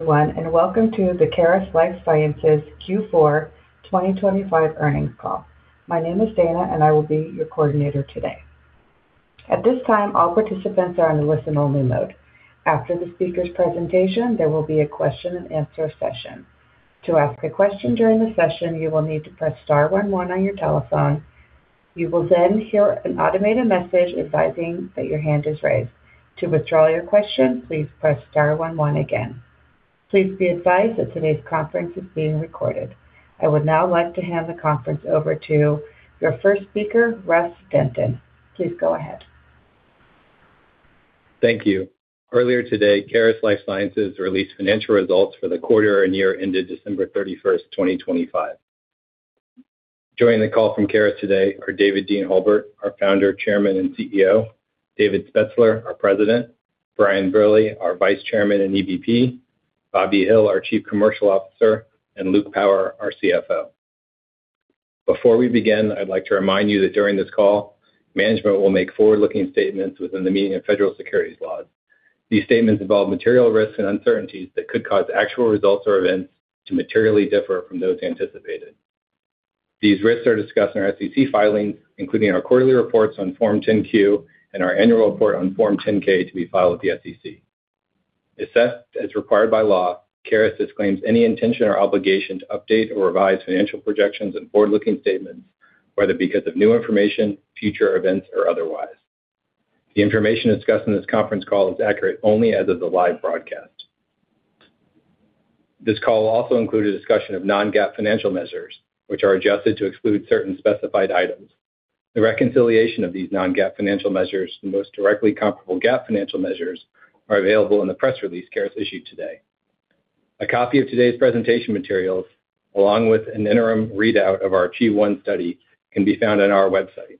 Everyone, and welcome to the Caris Life Sciences Q4 2025 earnings call. My name is Dana, and I will be your coordinator today. At this time, all participants are in listen-only mode. After the speaker's presentation, there will be a question-and-answer session. To ask a question during the session, you will need to press star one one on your telephone. You will then hear an automated message advising that your hand is raised. To withdraw your question, please press star one one again. Please be advised that today's conference is being recorded. I would now like to hand the conference over to your first speaker, Russ Denton. Please go ahead. Thank you. Earlier today, Caris Life Sciences released financial results for the quarter and year ended December 31st, 2025. Joining the call from Caris today are David Dean Halbert, our Founder, Chairman, and CEO; David Spetzler, our President; Brian Brille, our Vice Chairman and EVP; Bobby Hill, our Chief Commercial Officer; and Luke Power, our CFO. Before we begin, I'd like to remind you that during this call, management will make forward-looking statements within the meaning of federal securities laws. These statements involve material risks and uncertainties that could cause actual results or events to materially differ from those anticipated. These risks are discussed in our SEC filings, including our quarterly reports on Form 10-Q and our annual report on Form 10-K to be filed with the SEC. Assessed as required by law, Caris disclaims any intention or obligation to update or revise financial projections and forward-looking statements, whether because of new information, future events, or otherwise. The information discussed in this conference call is accurate only as of the live broadcast. This call will also include a discussion of non-GAAP financial measures, which are adjusted to exclude certain specified items. The reconciliation of these non-GAAP financial measures to the most directly comparable GAAP financial measures are available in the press release Caris issued today. A copy of today's presentation materials, along with an interim readout of our Q1 study, can be found on our website.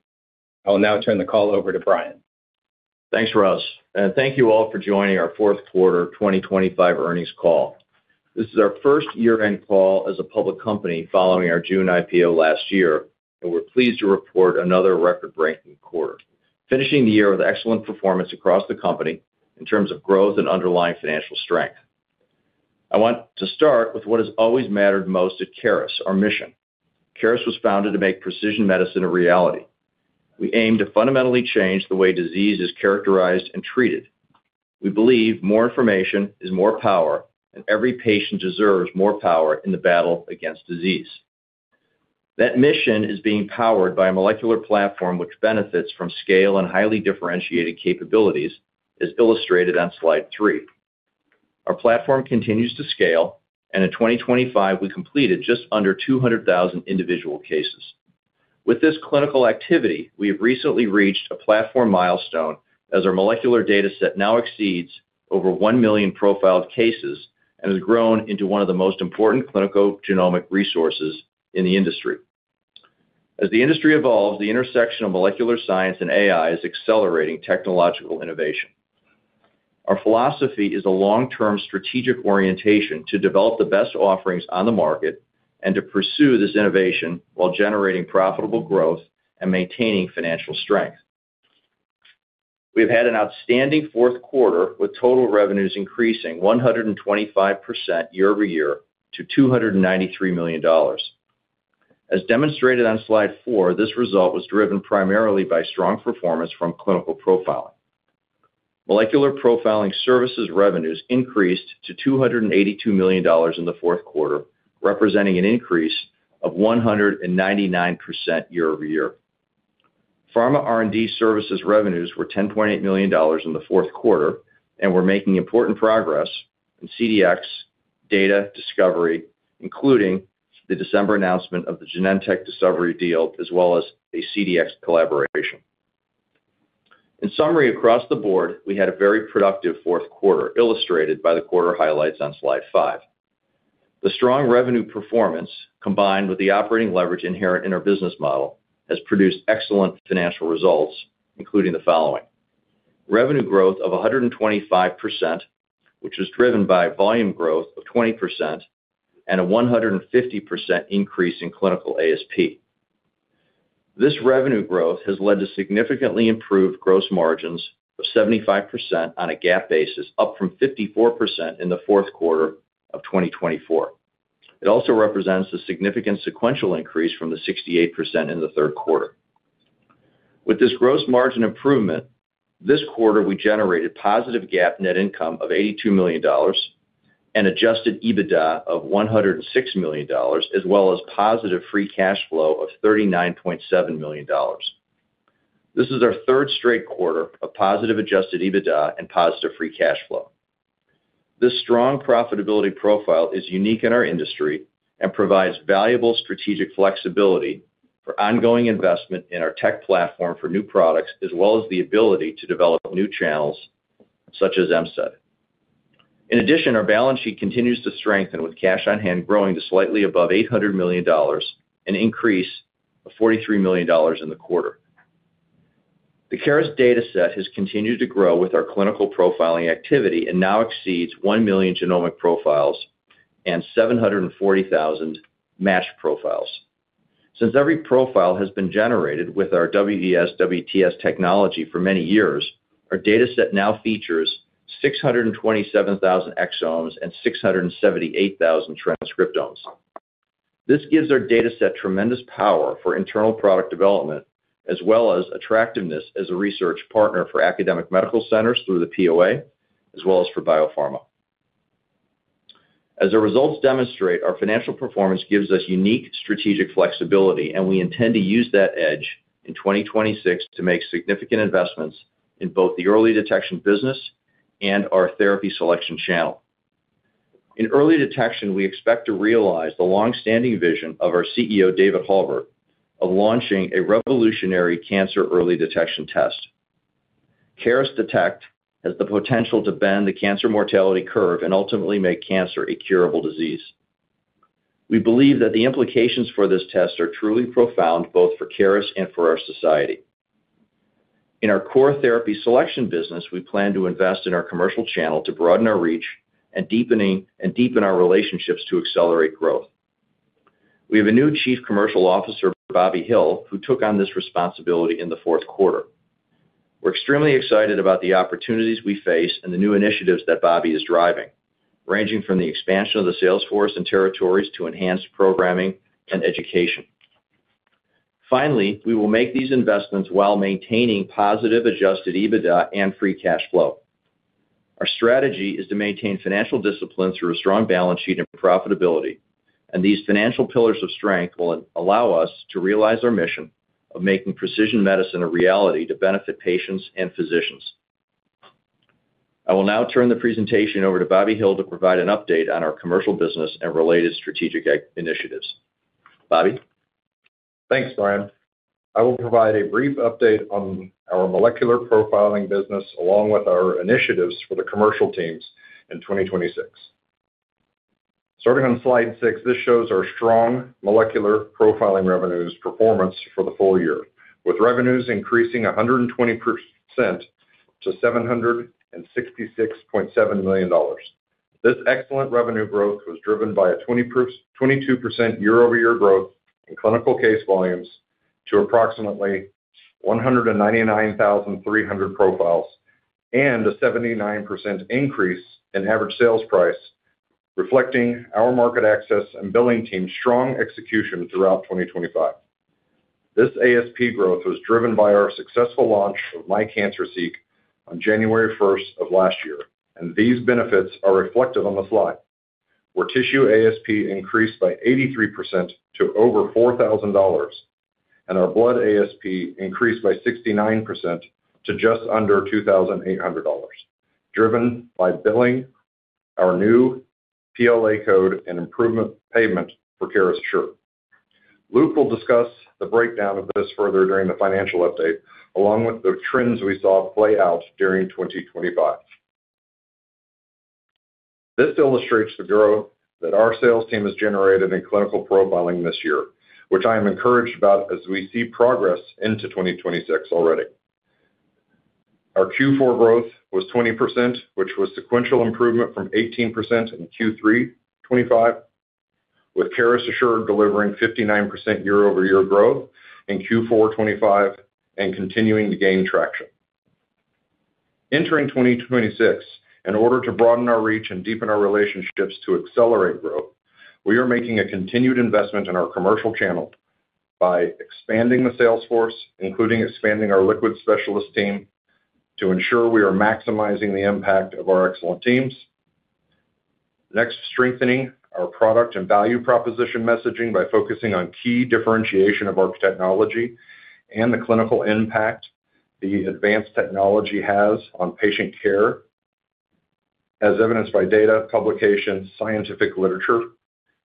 I will now turn the call over to Brian. Thanks, Russ, and thank you all for joining our Q4 2025 earnings call. This is our first year-end call as a public company following our June IPO last year, and we're pleased to report another record-breaking quarter, finishing the year with excellent performance across the company in terms of growth and underlying financial strength. I want to start with what has always mattered most at Caris, our mission. Caris was founded to make precision medicine a reality. We aim to fundamentally change the way disease is characterized and treated. We believe more information is more power, and every patient deserves more power in the battle against disease. That mission is being powered by a molecular platform which benefits from scale and highly differentiated capabilities, as illustrated on slide 3. Our platform continues to scale, and in 2025, we completed just under 200,000 individual cases. With this clinical activity, we have recently reached a platform milestone, as our molecular data set now exceeds over 1 million profiled cases and has grown into one of the most important clinical genomic resources in the industry. As the industry evolves, the intersection of molecular science and AI is accelerating technological innovation. Our philosophy is a long-term strategic orientation to develop the best offerings on the market and to pursue this innovation while generating profitable growth and maintaining financial strength. We've had an outstanding Q4, with total revenues increasing 125% year-over-year to $293 million. As demonstrated on slide 4, this result was driven primarily by strong performance from clinical profiling. Molecular profiling services revenues increased to $282 million in the Q4, representing an increase of 199% year-over-year. Pharma R&D services revenues were $10.8 million in the Q4. We're making important progress in CDX, data, discovery, including the December announcement of the Genentech discovery deal, as well as a CDX collaboration. In summary, across the board, we had a very productive Q4, illustrated by the quarter highlights on slide 5. The strong revenue performance, combined with the operating leverage inherent in our business model, has produced excellent financial results, including the following: Revenue growth of 125%, which was driven by volume growth of 20% and a 150% increase in clinical ASP. This revenue growth has led to significantly improved gross margins of 75% on a GAAP basis, up from 54% in the Q4 of 2024. It also represents a significant sequential increase from the 68% in the Q3. With this gross margin improvement, this quarter, we generated positive GAAP net income of $82 million and adjusted EBITDA of $106 million, as well as positive free cash flow of $39.7 million. This is our third straight quarter of positive adjusted EBITDA and positive free cash flow. This strong profitability profile is unique in our industry and provides valuable strategic flexibility for ongoing investment in our tech platform for new products, as well as the ability to develop new channels such as MCED. Our balance sheet continues to strengthen, with cash on hand growing to slightly above $800 million, an increase of $43 million in the quarter. The Caris data set has continued to grow with our clinical profiling activity and now exceeds 1 million genomic profiles and 740,000 matched profiles. Since every profile has been generated with our WES, WTS technology for many years, our data set now features 627,000 exomes and 678,000 transcriptomes. This gives our data set tremendous power for internal product development, as well as attractiveness as a research partner for academic medical centers through the POA, as well as for biopharma. As our results demonstrate, our financial performance gives us unique strategic flexibility, we intend to use that edge in 2026 to make significant investments in both the early detection business and our therapy selection channel. In early detection, we expect to realize the long-standing vision of our CEO, David Halbert, of launching a revolutionary cancer early detection test. Caris Detect has the potential to bend the cancer mortality curve and ultimately make cancer a curable disease. We believe that the implications for this test are truly profound, both for Caris and for our society. In our core therapy selection business, we plan to invest in our commercial channel to broaden our reach and deepen our relationships to accelerate growth. We have a new chief commercial officer, Bobby Hill, who took on this responsibility in the Q4. We're extremely excited about the opportunities we face and the new initiatives that Bobby is driving, ranging from the expansion of the sales force and territories to enhanced programming and education. We will make these investments while maintaining positive adjusted EBITDA and free cash flow. Our strategy is to maintain financial discipline through a strong balance sheet and profitability. These financial pillars of strength will allow us to realize our mission of making precision medicine a reality to benefit patients and physicians. I will now turn the presentation over to Bobby Hill to provide an update on our commercial business and related strategic initiatives. Bobby? Thanks, Brian. I will provide a brief update on our molecular profiling business along with our initiatives for the commercial teams in 2026. Starting on slide 6, this shows our strong molecular profiling revenues performance for the full year, with revenues increasing 120% to $766.7 million. This excellent revenue growth was driven by a 22% year-over-year growth in clinical case volumes to approximately 199,300 profiles and a 79% increase in average sales price, reflecting our market access and billing team's strong execution throughout 2025. This ASP growth was driven by our successful launch of myCancerSeq on 1st January of last year. These benefits are reflected on the slide, where tissue ASP increased by 83% to over $4,000, and our blood ASP increased by 69% to just under $2,800, driven by billing our new PLA code and improvement payment for Caris Assure. Luke will discuss the breakdown of this further during the financial update, along with the trends we saw play out during 2025. This illustrates the growth that our sales team has generated in clinical profiling this year, which I am encouraged about as we see progress into 2026 already. Our Q4 growth was 20%, which was sequential improvement from 18% in Q3 2025, with Caris Assure delivering 59% year-over-year growth in Q4 2025 and continuing to gain traction. Entering 2026, in order to broaden our reach and deepen our relationships to accelerate growth, we are making a continued investment in our commercial channel by expanding the sales force, including expanding our liquid specialist team to ensure we are maximizing the impact of our excellent teams. Strengthening our product and value proposition messaging by focusing on key differentiation of our technology and the clinical impact the advanced technology has on patient care, as evidenced by data, publications, scientific literature,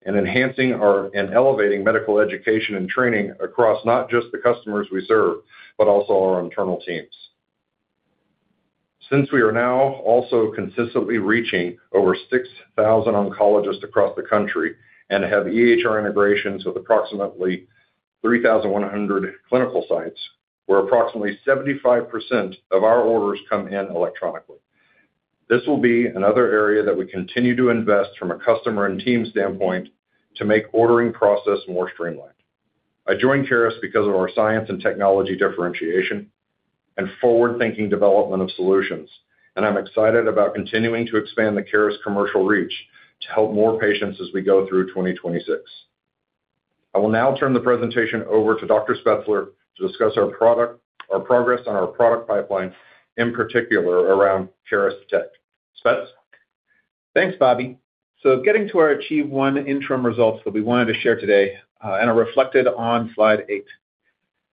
and enhancing and elevating medical education and training across not just the customers we serve, but also our internal teams. We are now also consistently reaching over 6,000 oncologists across the country and have EHR integrations with approximately 3,100 clinical sites where approximately 75% of our orders come in electronically. This will be another area that we continue to invest from a customer and team standpoint to make ordering process more streamlined. I joined Caris because of our science and technology differentiation and forward-thinking development of solutions. I'm excited about continuing to expand the Caris commercial reach to help more patients as we go through 2026. I will now turn the presentation over to Dr. Spetzler to discuss our product, our progress on our product pipeline, in particular around Caris Tech. Spetzler? Thanks, Bobby. Getting to our ACHIEVE-1 interim results that we wanted to share today and are reflected on slide 8.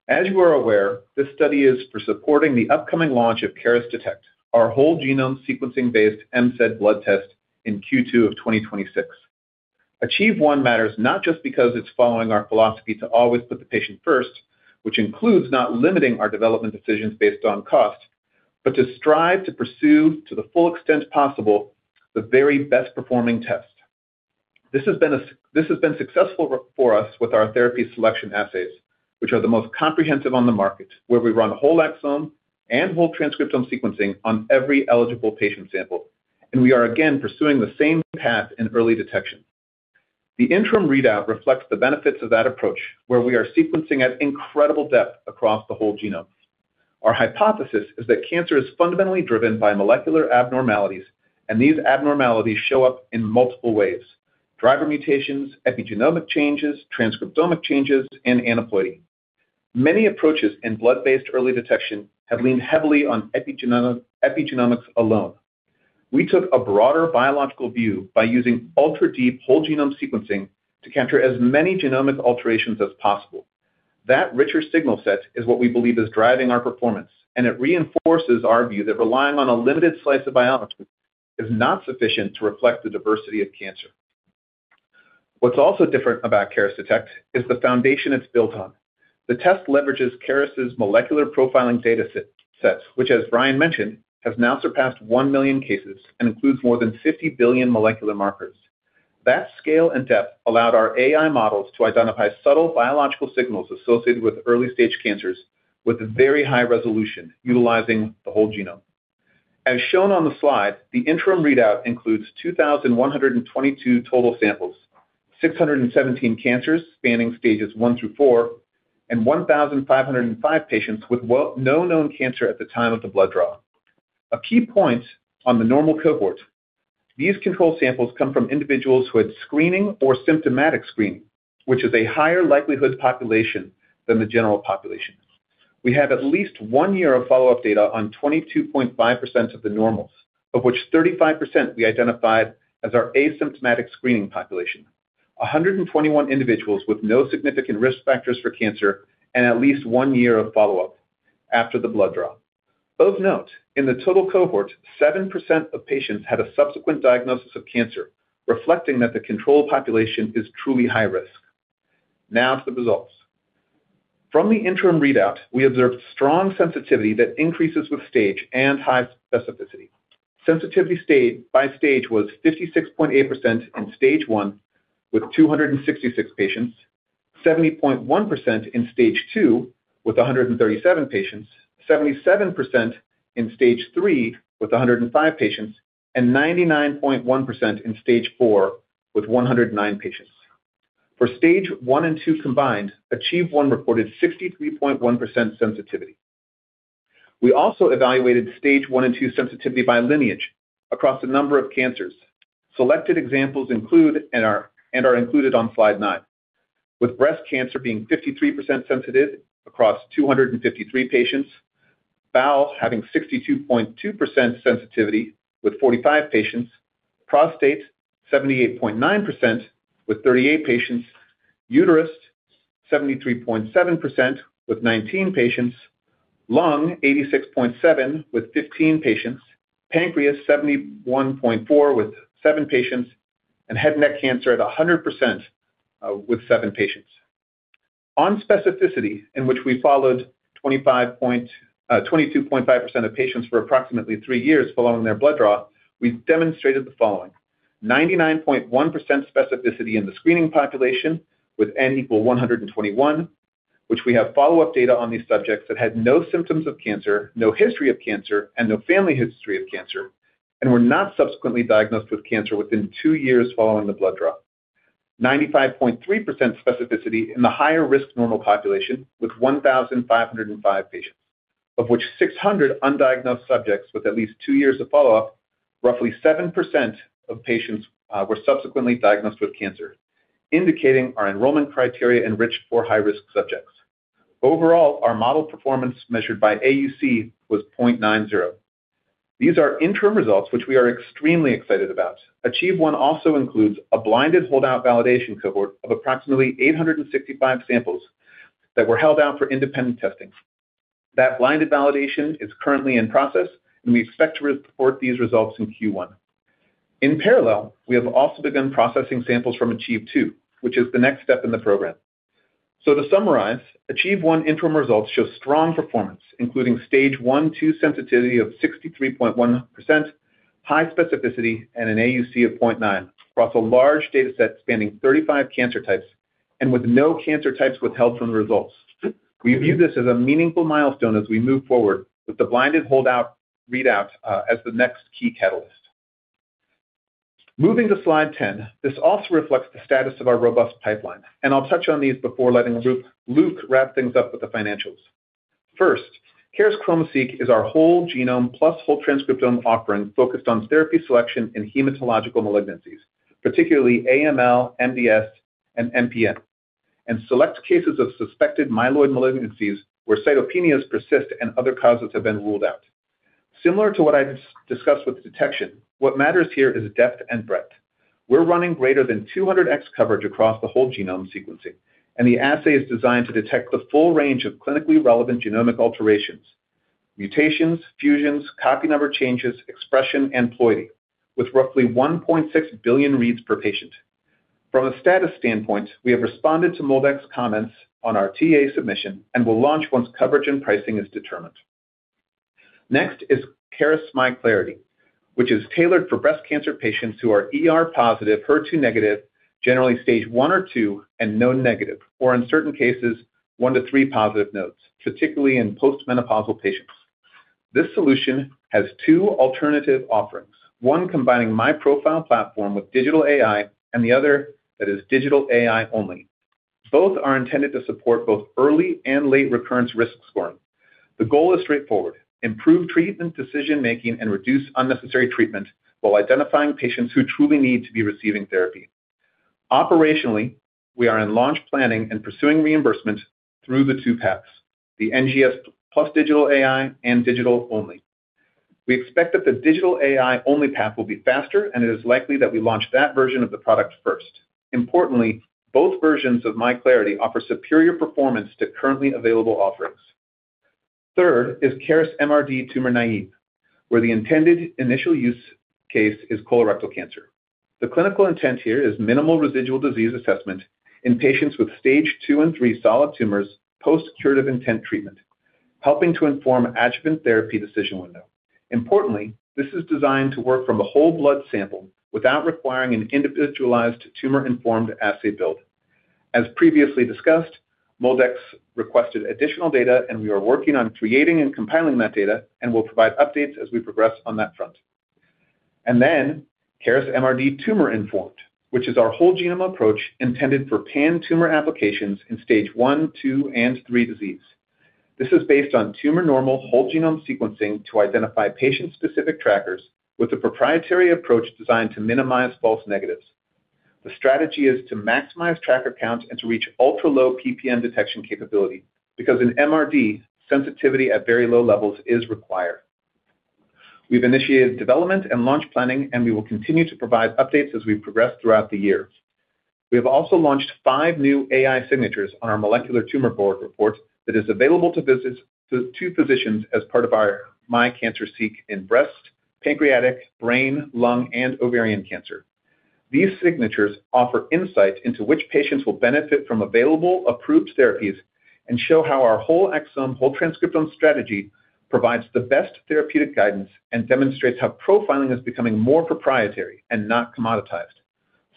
As you are aware, this study is for supporting the upcoming launch of Caris Detect, our whole genome sequencing-based MCED blood test in Q2 of 2026. ACHIEVE-1 matters not just because it's following our philosophy to always put the patient first, which includes not limiting our development decisions based on cost, but to strive to pursue to the full extent possible the very best-performing test. This has been successful for us with our therapy selection assays. Which are the most comprehensive on the market, where we run whole exome and whole transcriptome sequencing on every eligible patient sample. We are again pursuing the same path in early detection. The interim readout reflects the benefits of that approach, where we are sequencing at incredible depth across the whole genome. Our hypothesis is that cancer is fundamentally driven by molecular abnormalities, and these abnormalities show up in multiple ways: driver mutations, epigenomic changes, transcriptomic changes, and aneuploidy. Many approaches in blood-based early detection have leaned heavily on epigenomics alone. We took a broader biological view by using ultra-deep whole genome sequencing to capture as many genomic alterations as possible. That richer signal set is what we believe is driving our performance, and it reinforces our view that relying on a limited slice of biology is not sufficient to reflect the diversity of cancer. What's also different about Caris Protect is the foundation it's built on. The test leverages Caris' molecular profiling data sets, which as Brian mentioned, has now surpassed 1 million cases and includes more than 50 billion molecular markers. That scale and depth allowed our AI models to identify subtle biological signals associated with early-stage cancers with very high resolution, utilizing the whole genome. As shown on the slide, the interim readout includes 2,122 total samples, 617 cancers spanning stages 1 through 4, and 1,505 patients with no known cancer at the time of the blood draw. A key point on the normal cohort. These control samples come from individuals who had screening or symptomatic screening, which is a higher likelihood population than the general population. We have at least one year of follow-up data on 22.5% of the normals, of which 35% we identified as our asymptomatic screening population. 121 individuals with no significant risk factors for cancer and at least one year of follow-up after the blood draw. Of note, in the total cohort, 7% of patients had a subsequent diagnosis of cancer, reflecting that the control population is truly high risk. To the results. From the interim readout, we observed strong sensitivity that increases with stage and high specificity. Sensitivity by stage was 56.8% in stage 1 with 266 patients, 70.1% in stage 2 with 137 patients, 77% in stage 3 with 105 patients, and 99.1% in stage 4 with 109 patients. For stage 1 and 2 combined, ACHIEVE-1 reported 63.1% sensitivity. We also evaluated stage 1 and 2 sensitivity by lineage across a number of cancers. Selected examples are included on slide 9. With breast cancer being 53% sensitive across 253 patients, bowel having 62.2% sensitivity with 45 patients, prostate 78.9% with 38 patients, uterus 73.7% with 19 patients, lung 86.7% with 15 patients, pancreas 71.4% with 7 patients, and head neck cancer at 100% with 7 patients. On specificity, in which we followed. 22.5% of patients for approximately three years following their blood draw, we demonstrated the following: 99.1% specificity in the screening population with N equal 121, which we have follow-up data on these subjects that had no symptoms of cancer, no history of cancer, and no family history of cancer, and were not subsequently diagnosed with cancer within 2 years following the blood draw. 95.3% specificity in the higher-risk normal population, with 1,505 patients, of which 600 undiagnosed subjects with at least 2 years of follow-up. Roughly 7% of patients were subsequently diagnosed with cancer, indicating our enrollment criteria enriched for high-risk subjects. Overall, our model performance measured by AUC was 0.90. These are interim results, which we are extremely excited about. ACHIEVE-1 also includes a blinded holdout validation cohort of approximately 865 samples that were held out for independent testing. That blinded validation is currently in process, and we expect to report these results in Q1. In parallel, we have also begun processing samples from ACHIEVE-2, which is the next step in the program. To summarize, ACHIEVE-1 interim results show strong performance, including stage one, two sensitivity of 63.1%, high specificity and an AUC of 0.9 across a large data set spanning 35 cancer types and with no cancer types withheld from the results. We view this as a meaningful milestone as we move forward with the blinded holdout readout as the next key catalyst. Moving to slide 10. This also reflects the status of our robust pipeline. I'll touch on these before letting Luke wrap things up with the financials. First, Caris ChromoSeq is our whole genome plus whole transcriptome offering focused on therapy selection in hematological malignancies, particularly AML, MDS, and MPN. Select cases of suspected myeloid malignancies where cytopenias persist and other causes have been ruled out. Similar to what I discussed with detection, what matters here is depth and breadth. We're running greater than 200x coverage across the whole genome sequencing. The assay is designed to detect the full range of clinically relevant genomic alterations, mutations, fusions, copy number changes, expression, and ploidy, with roughly 1.6 billion reads per patient. From a status standpoint, we have responded to MolDX comments on our TA submission and will launch once coverage and pricing is determined. Next is Caris MyClarity, which is tailored for breast cancer patients who are ER positive, HER2 negative, generally stage one or two and node negative, or in certain cases, one to three positive nodes, particularly in post-menopausal patients. This solution has two alternative offerings. One combining MI Profile platform with digital AI and the other that is digital AI only. Both are intended to support both early and late recurrence risk scoring. The goal is straightforward, improve treatment decision making and reduce unnecessary treatment while identifying patients who truly need to be receiving therapy. Operationally, we are in launch planning and pursuing reimbursement through the two paths, the NGS plus digital AI and digital only. We expect that the digital AI only path will be faster. It is likely that we launch that version of the product first. Importantly, both versions of Caris MyClarity offer superior performance to currently available offerings. Third is Caris MRD Tumor Naive, where the intended initial use case is colorectal cancer. The clinical intent here is minimal residual disease assessment in patients with stage 2 and 3 solid tumors, post-curative intent treatment, helping to inform adjuvant therapy decision window. Importantly, this is designed to work from a whole blood sample without requiring an individualized tumor-informed assay build. As previously discussed, MolDX requested additional data. We are working on creating and compiling that data. We'll provide updates as we progress on that front. Then Caris MRD Tumor-Informed, which is our whole genome approach intended for pan-tumor applications in stage 1, 2, and 3 disease. This is based on tumor normal whole genome sequencing to identify patient-specific trackers with a proprietary approach designed to minimize false negatives. The strategy is to maximize tracker counts and to reach ultra-low PPM detection capability because in MRD, sensitivity at very low levels is required. We've initiated development and launch planning, and we will continue to provide updates as we progress throughout the year. We have also launched five new AI signatures on our molecular tumor board report that is available to physicians as part of our MyCancerSeek in breast, pancreatic, brain, lung, and ovarian cancer. These signatures offer insight into which patients will benefit from available approved therapies and show how our whole exome, whole transcriptome strategy provides the best therapeutic guidance and demonstrates how profiling is becoming more proprietary and not commoditized.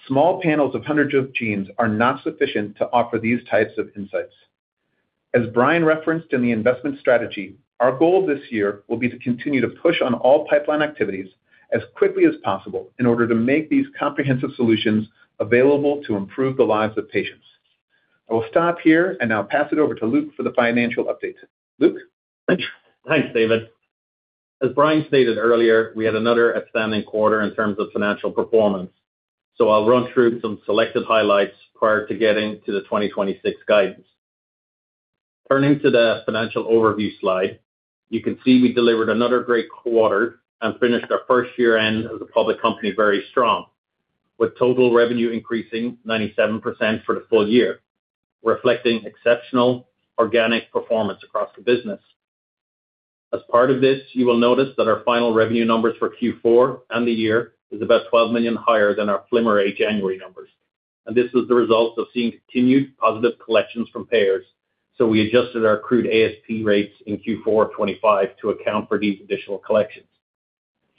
Small panels of hundreds of genes are not sufficient to offer these types of insights. As Brian referenced in the investment strategy, our goal this year will be to continue to push on all pipeline activities as quickly as possible in order to make these comprehensive solutions available to improve the lives of patients. I will stop here and now pass it over to Luke for the financial update. Luke? Thanks, David. As Brian Brille stated earlier, we had another outstanding quarter in terms of financial performance. I'll run through some selected highlights prior to getting to the 2026 guidance. Turning to the financial overview slide, you can see we delivered another great quarter and finished our first year end as a public company very strong, with total revenue increasing 97% for the full year, reflecting exceptional organic performance across the business. As part of this, you will notice that our final revenue numbers for Q4 and the year is about $12 million higher than our preliminary January numbers. This was the result of seeing continued positive collections from payers. We adjusted our accrued ASP rates in Q4 2025 to account for these additional collections.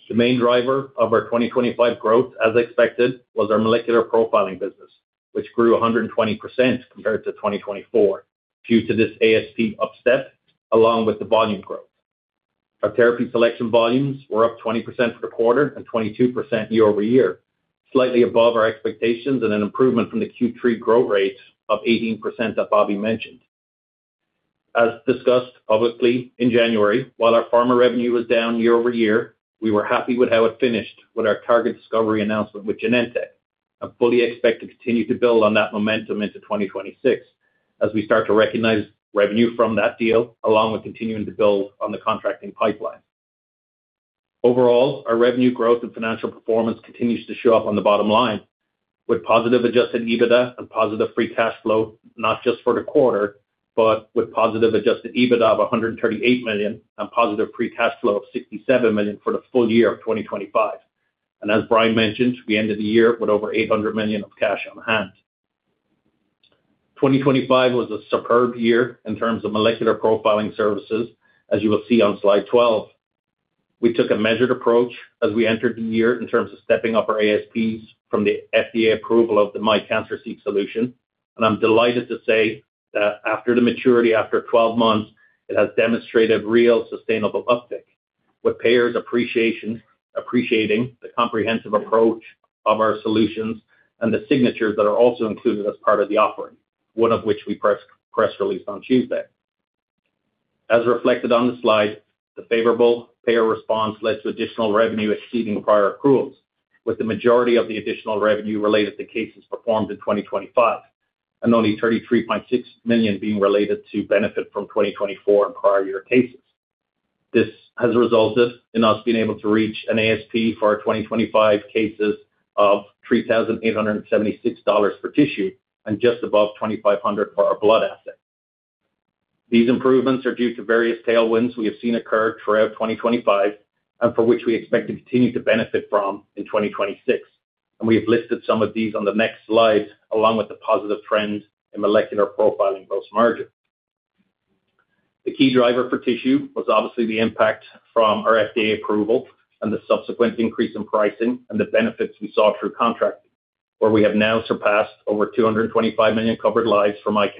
The main driver of our 2025 growth, as expected, was our molecular profiling business, which grew 120% compared to 2024 due to this ASP upstep along with the volume growth. Our therapy selection volumes were up 20% for the quarter and 22% year-over-year, slightly above our expectations and an improvement from the Q3 growth rate of 18% that Bobby mentioned. As discussed publicly in January, while our pharma revenue was down year-over-year, we were happy with how it finished with our Target Discovery announcement with Genentech, and fully expect to continue to build on that momentum into 2026 as we start to recognize revenue from that deal, along with continuing to build on the contracting pipeline. Overall, our revenue growth and financial performance continues to show up on the bottom line with positive adjusted EBITDA and positive free cash flow, not just for the quarter, but with positive adjusted EBITDA of $138 million and positive free cash flow of $67 million for the full year of 2025. As Brian mentioned, we ended the year with over $800 million of cash on hand. 2025 was a superb year in terms of molecular profiling services, as you will see on slide 12. We took a measured approach as we entered the year in terms of stepping up our ASPs from the FDA approval of the MI Cancer Seek solution. I'm delighted to say that after the maturity, after 12 months, it has demonstrated real sustainable uptick with payers appreciating the comprehensive approach of our solutions and the signatures that are also included as part of the offering, one of which we press released on Tuesday. As reflected on the slide, the favorable payer response led to additional revenue exceeding prior accruals, with the majority of the additional revenue related to cases performed in 2025, and only $33.6 million being related to benefit from 2024 and prior year cases. This has resulted in us being able to reach an ASP for our 2025 cases of $3,876 per tissue and just above $2,500 for our blood asset. These improvements are due to various tailwinds we have seen occur throughout 2025 and for which we expect to continue to benefit from in 2026. We have listed some of these on the next slide, along with the positive trends in molecular profiling gross margin. The key driver for tissue was obviously the impact from our FDA approval and the subsequent increase in pricing and the benefits we saw through contracting, where we have now surpassed over $225 million covered lives for Caris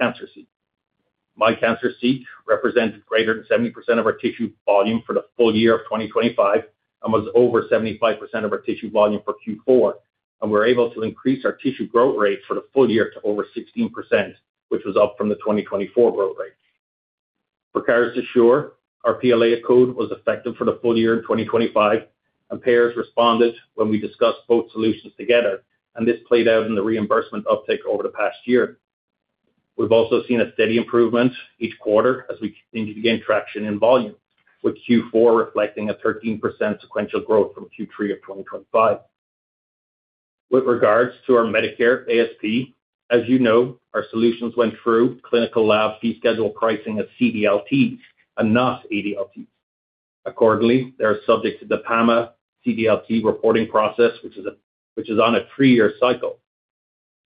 MyClarity. Caris MyClarity represented greater than 70% of our tissue volume for the full year of 2025 and was over 75% of our tissue volume for Q4, and we're able to increase our tissue growth rate for the full year to over 16%, which was up from the 2024 growth rate. For Caris Assure, our PLA code was effective for the full year in 2025. Payers responded when we discussed both solutions together, this played out in the reimbursement uptick over the past year. We've also seen a steady improvement each quarter as we continue to gain traction in volume, with Q4 reflecting a 13% sequential growth from Q3 of 2025. With regards to our Medicare ASP, as, our solutions went through clinical lab fee schedule pricing as CDLTs and not ADLTs. Accordingly, they are subject to the PAMA CDLT reporting process, which is on a three-year cycle.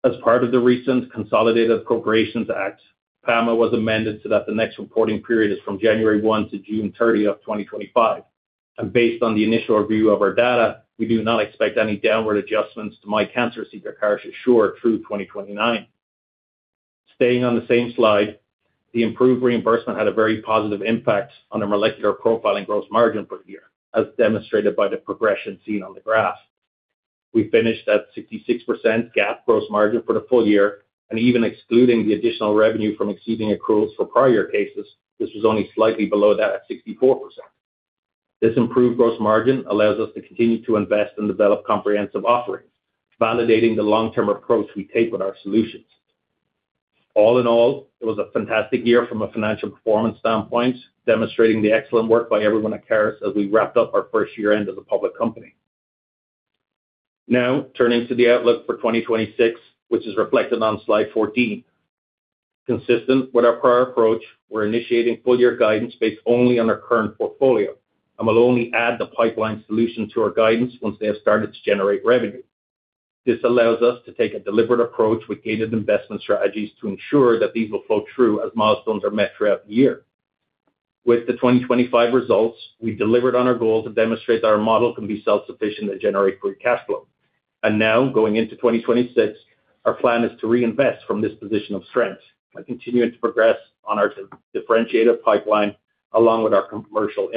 As part of the recent Consolidated Appropriations Act, PAMA was amended so that the next reporting period is from January 1 to June 30 of 2025. Based on the initial review of our data, we do not expect any downward adjustments to Caris MyClarity or Caris Assure through 2029. Staying on the same slide, the improved reimbursement had a very positive impact on the molecular profiling gross margin for the year, as demonstrated by the progression seen on the graph. We finished at 66% GAAP gross margin for the full year, and even excluding the additional revenue from exceeding accruals for prior cases, this was only slightly below that at 64%. This improved gross margin allows us to continue to invest and develop comprehensive offerings, validating the long-term approach we take with our solutions. All in all, it was a fantastic year from a financial performance standpoint, demonstrating the excellent work by everyone at Caris as we wrapped up our first year end as a public company. Now, turning to the outlook for 2026, which is reflected on slide 14. Consistent with our prior approach, we're initiating full year guidance based only on our current portfolio, and we'll only add the pipeline solution to our guidance once they have started to generate revenue. This allows us to take a deliberate approach with gated investment strategies to ensure that these will flow through as milestones are met throughout the year. With the 2025 results, we've delivered on our goal to demonstrate that our model can be self-sufficient and generate free cash flow. Now, going into 2026, our plan is to reinvest from this position of strength by continuing to progress on our differentiated pipeline along with our commercial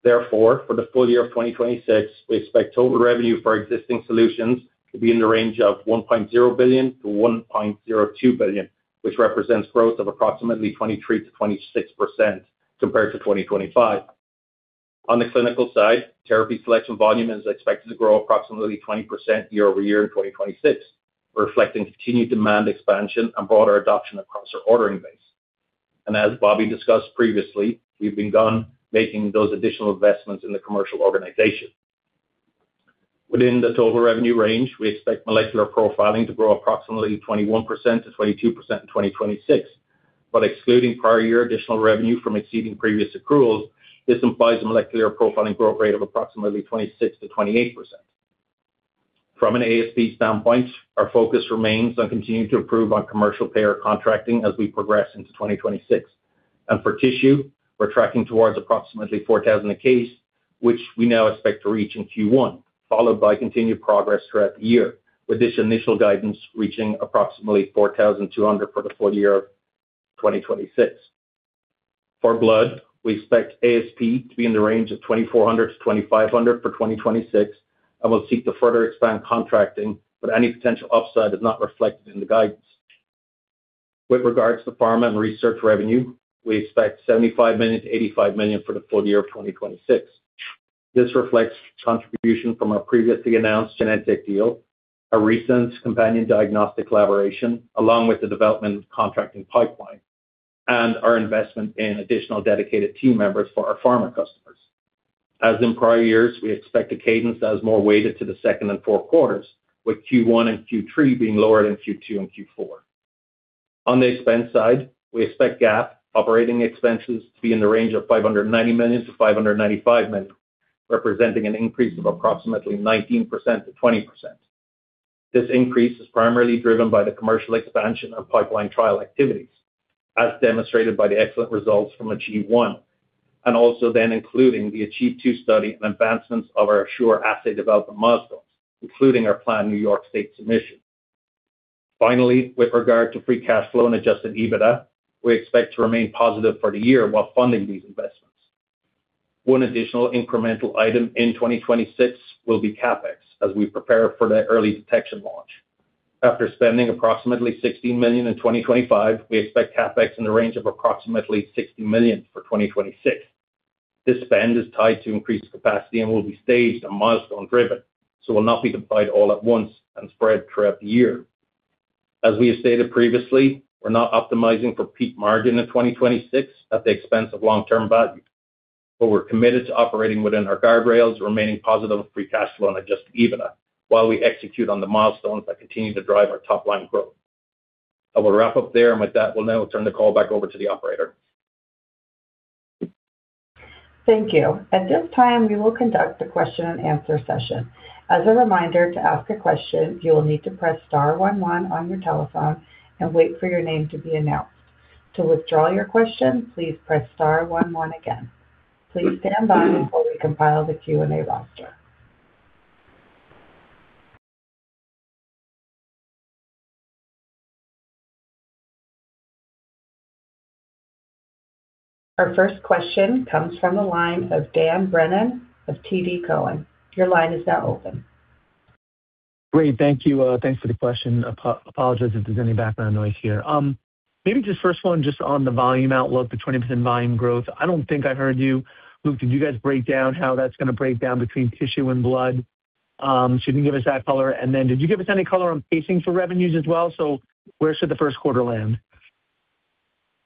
infrastructure. Therefore, for the full year of 2026, we expect total revenue for existing solutions to be in the range of $1.0 billion-$1.02 billion, which represents growth of approximately 23%-26% compared to 2025. On the clinical side, therapy selection volume is expected to grow approximately 20% year-over-year in 2026, reflecting continued demand expansion and broader adoption across our ordering base. As Bobby discussed previously, we've begun making those additional investments in the commercial organization. Within the total revenue range, we expect molecular profiling to grow approximately 21%-22% in 2026. Excluding prior year additional revenue from exceeding previous accruals, this implies a molecular profiling growth rate of approximately 26%-28%. From an ASP standpoint, our focus remains on continuing to improve on commercial payer contracting as we progress into 2026. For tissue, we're tracking towards approximately $4,000 a case, which we now expect to reach in Q1, followed by continued progress throughout the year, with this initial guidance reaching approximately $4,200 for the full year of 2026. For blood, we expect ASP to be in the range of $2,400-$2,500 for 2026. We'll seek to further expand contracting, any potential upside is not reflected in the guidance. With regards to pharma and research revenue, we expect $75 million-$85 million for the full year of 2026. This reflects contribution from our previously announced Genentech deal, our recent companion diagnostic collaboration, along with the development of contracting pipeline and our investment in additional dedicated team members for our pharma customers. As in prior years, we expect a cadence that is more weighted to the second and Q4, with Q1 and Q3 being lower than Q2 and Q4. On the expense side, we expect GAAP operating expenses to be in the range of $590 million-$595 million, representing an increase of approximately 19%-20%. This increase is primarily driven by the commercial expansion of pipeline trial activities, as demonstrated by the excellent results from ACHIEVE-1, and also then including the ACHIEVE-2 study and advancements of our Assure assay development milestones, including our planned New York State submission. Finally, with regard to free cash flow and adjusted EBITDA, we expect to remain positive for the year while funding these investments. One additional incremental item in 2026 will be CapEx as we prepare for the early detection launch. After spending approximately $16 million in 2025, we expect CapEx in the range of approximately $60 million for 2026. This spend is tied to increased capacity and will be staged and milestone driven, so will not be deployed all at once and spread throughout the year. As we have stated previously, we're not optimizing for peak margin in 2026 at the expense of long-term value, but we're committed to operating within our guardrails, remaining positive of free cash flow and adjusted EBITDA while we execute on the milestones that continue to drive our top-line growth. I will wrap up there, and with that, we'll now turn the call back over to the operator. Thank you. At this time, we will conduct a question and answer session. As a reminder, to ask a question, you will need to press star one one on your telephone and wait for your name to be announced. To withdraw your question, please press star one one again. Please stand by while we compile the Q&A roster. Our first question comes from the line of Daniel Brennan of TD Cowen. Your line is now open. Great. Thank you. Thanks for the question. Apologize if there's any background noise here. Maybe just first one, just on the volume outlook, the 20% volume growth. I don't think I heard you. Luke, did you guys break down how that's gonna break down between tissue and blood? So you can give us that color. Then did you give us any color on pacing for revenues as well? Where should the Q1 land?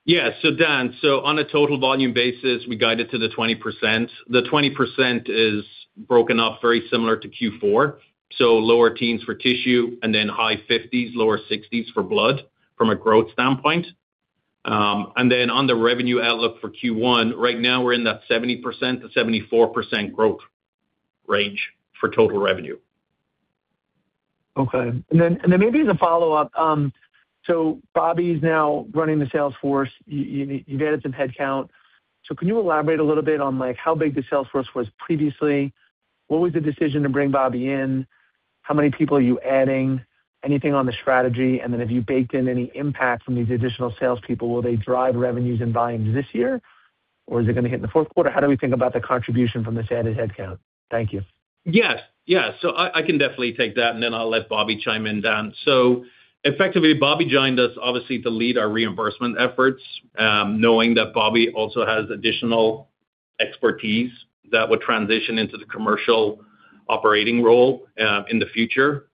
Dan, on a total volume basis, we guided to the 20%. The 20% is broken up very similar to Q4. Lower teens for tissue and then high 50s, lower 60s for blood from a growth standpoint. On the revenue outlook for Q1, right now we're in that 70%-74% growth range for total revenue. Okay. Then maybe as a follow-up, Bobby's now running the sales force. You've added some headcount. Can you elaborate a little bit on, like, how big the sales force was previously? What was the decision to bring Bobby in? How many people are you adding? Anything on the strategy? Have you baked in any impact from these additional salespeople? Will they drive revenues and volumes this year, or is it gonna hit in the Q4? How do we think about the contribution from this added headcount? Thank you. Yes. Yeah. I can definitely take that, and then I'll let Bobby chime in, Dan. Effectively, Bobby joined us obviously to lead our reimbursement efforts, knowing that Bobby also has additional expertise that would transition into the commercial operating role in the future.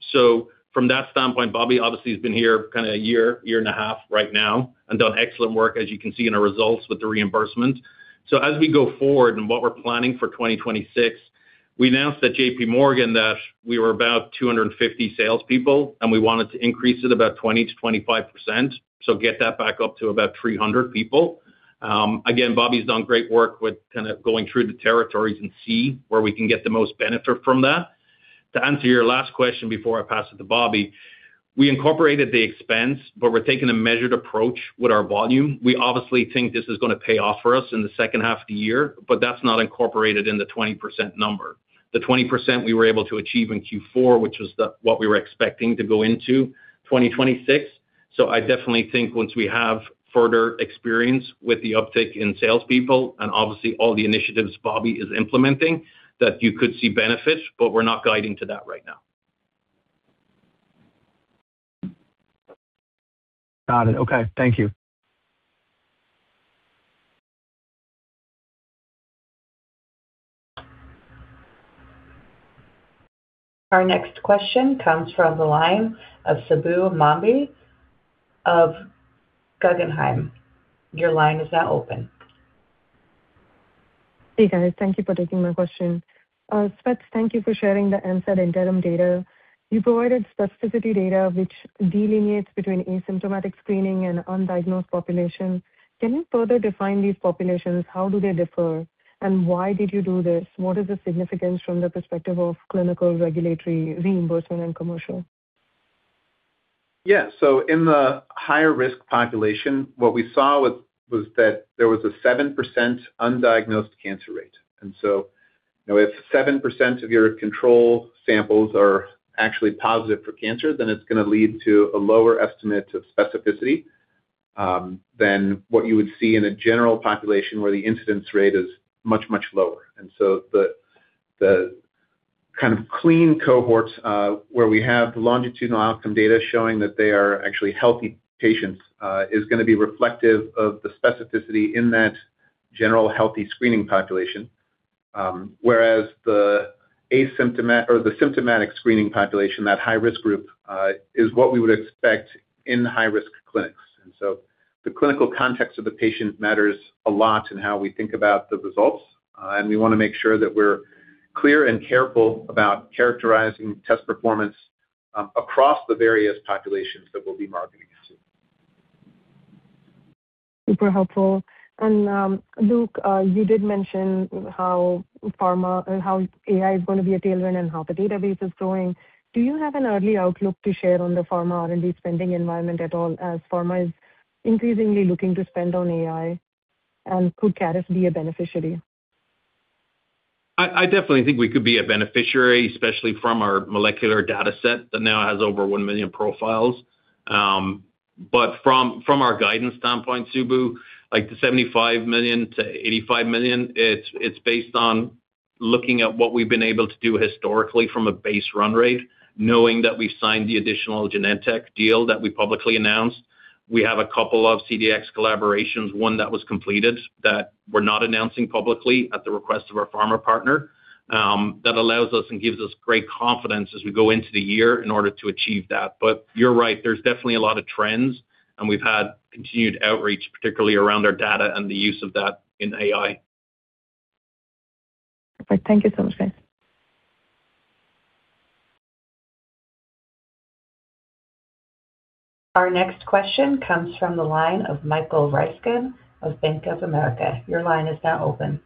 From that standpoint, Bobby obviously has been here kind of a year and a half right now, and done excellent work, as you can see in our results, with the reimbursement. As we go forward and what we're planning for 2026, we announced at JP Morgan that we were about 250 salespeople, and we wanted to increase it about 20%-25%. Get that back up to about 300 people. Again, Bobby's done great work with kind of going through the territories and see where we can get the most benefit from that. To answer your last question before I pass it to Bobby, we incorporated the expense, but we're taking a measured approach with our volume. We obviously think this is gonna pay off for us in the H1 of the year, but that's not incorporated in the 20% number. The 20% we were able to achieve in Q4, which was what we were expecting to go into 2026. I definitely think once we have further experience with the uptick in salespeople and obviously all the initiatives Bobby is implementing, that you could see benefits, but we're not guiding to that right now. Got it. Okay. Thank you. Our next question comes from the line of Subbu Nambi of Guggenheim. Your line is now open. Hey, guys. Thank you for taking my question. Spetzler, thank you for sharing the answer to interim data. You provided specificity data which delineates between asymptomatic screening and undiagnosed population. Can you further define these populations? How do they differ, and why did you do this? What is the significance from the perspective of clinical regulatory reimbursement and commercial? In the higher-risk population, what we saw was that there was a 7% undiagnosed cancer rate., if 7% of your control samples are actually positive for cancer, then it's gonna lead to a lower estimate of specificity than what you would see in a general population where the incidence rate is much, much lower. The kind of clean cohorts where we have longitudinal outcome data showing that they are actually healthy patients is gonna be reflective of the specificity in that general healthy screening population. Whereas the asymptomatic or the symptomatic screening population, that high-risk group, is what we would expect in high-risk clinics. The clinical context of the patient matters a lot in how we think about the results, and we wanna make sure that we're clear and careful about characterizing test performance across the various populations that we'll be marketing to. Super helpful. Luke, you did mention how AI is going to be a tailwind and how the database is growing. Do you have an early outlook to share on the pharma R&D spending environment at all as pharma is increasingly looking to spend on AI? Could Caris be a beneficiary? I definitely think we could be a beneficiary, especially from our molecular data set that now has over 1 million profiles. From our guidance standpoint, Subbu Nambi, like the $75 million-$85 million, it's based on looking at what we've been able to do historically from a base run rate, knowing that we've signed the additional Genentech deal that we publicly announced. We have a couple of CDX collaborations, one that was completed that we're not announcing publicly at the request of our pharma partner, that allows us and gives us great confidence as we go into the year in order to achieve that. You're right, there's definitely a lot of trends, and we've had continued outreach, particularly around our data and the use of that in AI. All right. Thank you so much, guys. Our next question comes from the line of Michael Ryskin of Bank of America. Your line is now open.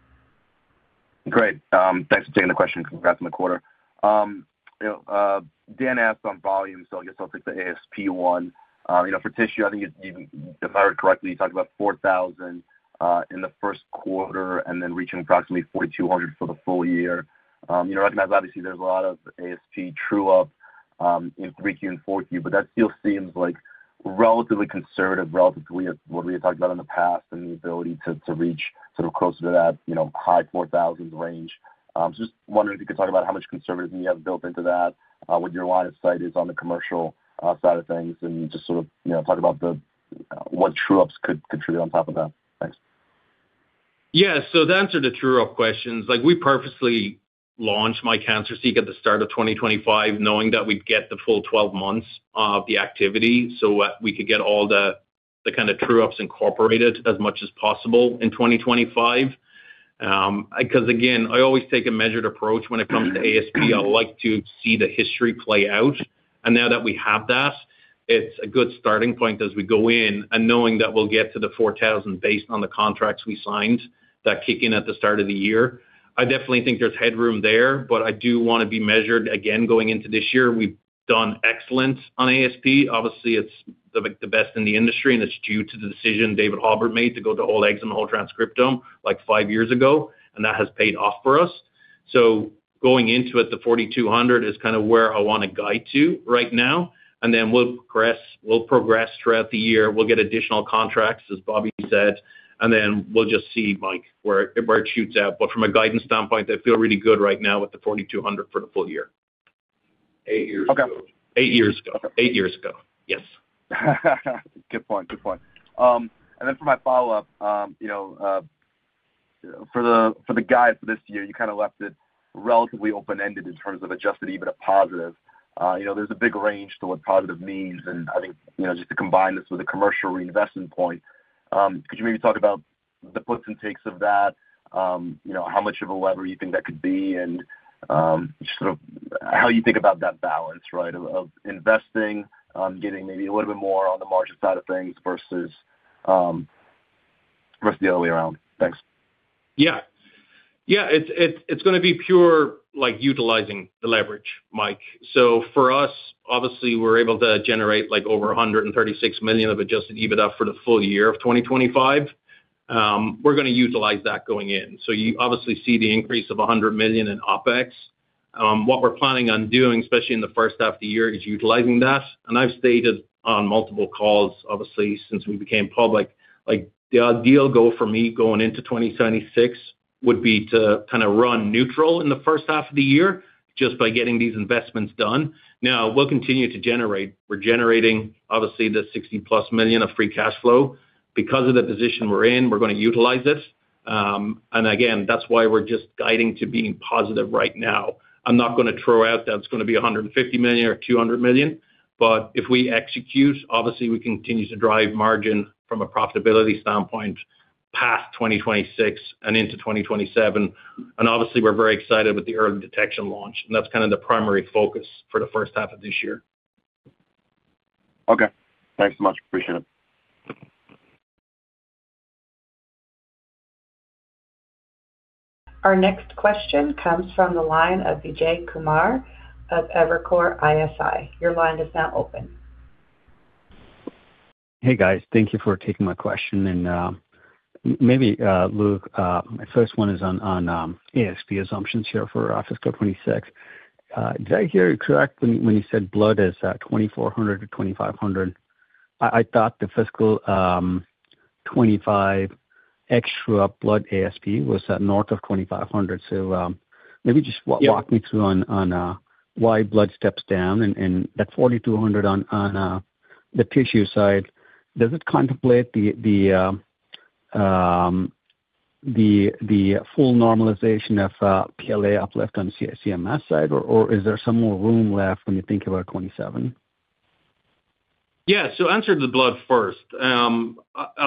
Great. Thanks for taking the question. Congrats on the quarter., Dan asked on volume, so I guess I'll take the ASP one., for tissue, I think if I heard correctly, you talked about $4,000 in the Q1 and then reaching approximately $4,200 for the full year., I recognize obviously there's a lot of ASP true-up in 3Q and 4Q, but that still seems like relatively conservative relative to what we have talked about in the past and the ability to reach sort of closer to that high $4,000s range. Just wondering if you could talk about how much conservatism you have built into that, what your line of sight is on the commercial side of things, and just sort of talk about what true ups could truly on top of that. Thanks. Yeah. To answer the true up questions, we purposely launched myCancerSeek at the start of 2025, knowing that we'd get the full 12 months of the activity, we could get all the kind of true ups incorporated as much as possible in 2025. Because again, I always take a measured approach when it comes to ASP. I like to see the history play out. Now that we have that, it's a good starting point as we go in, and knowing that we'll get to the $4,000 based on the contracts we signed that kick in at the start of the year. I definitely think there's headroom there, I do wanna be measured again going into this year. We've done excellent on ASP. Obviously, it's the best in the industry, and it's due to the decision David Halbert made to go to all exome, all transcriptome, like five years ago, and that has paid off for us. Going into it, the $4,200 is kind of where I wanna guide to right now, and then we'll progress throughout the year. We'll get additional contracts, as Bobby said, and then we'll just see, Michael, where it shoots at. From a guidance standpoint, I feel really good right now with the $4,200 for the full year. Eight years ago. Eight years ago. Yes. Good point. Good point. Then for my follow-up for the guide for this year, you kinda left it relatively open-ended in terms of adjusted EBITDA positive., there's a big range to what positive means, and I think just to combine this with a commercial reinvestment point, could you maybe talk about the puts and takes of that?, how much of a lever you think that could be? Just sort of how you think about that balance, right, of investing, getting maybe a little bit more on the margin side of things versus the other way around. Thanks. It's gonna be pure, like, utilizing the leverage, Michael. For us, obviously, we're able to generate, like, over $136 million of adjusted EBITDA for the full year of 2025. We're gonna utilize that going in. You obviously see the increase of $100 million in OpEx. What we're planning on doing, especially in the H1 of the year, is utilizing that. I've stated on multiple calls, obviously, since we became public, like, the ideal goal for me going into 2026 would be to kinda run neutral in the H1 of the year just by getting these investments done. Now, we'll continue to generate. We're generating obviously the $60+ million of free cash flow. Because of the position we're in, we're gonna utilize this. Again, that's why we're just guiding to being positive right now. I'm not gonna throw out that it's gonna be $150 million or $200 million, but if we execute, obviously, we continue to drive margin from a profitability standpoint past 2026 and into 2027. Obviously, we're very excited with the early detection launch, and that's kind of the primary focus for the H1 of this year. Okay. Thanks so much. Appreciate it. Our next question comes from the line of Vijay Kumar of Evercore ISI. Your line is now open. Hey, guys. Thank you for taking my question. Maybe Luke, my first one is on ASP assumptions here for fiscal 2026. Did I hear you correctly when you said blood is $2,400-$2,500? I thought the fiscal 2025 extra blood ASP was north of $2,500. Maybe just. Yeah. walk me through on why blood steps down and that 4,200 on the tissue side, does it contemplate the full normalization of PLA uplift on CMS side, or is there some more room left when you think about 2027? Yeah. Answer to the blood first. I